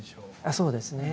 そうですね。